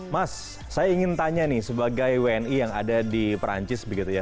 mas saya ingin tanya nih sebagai wni yang ada di perancis begitu ya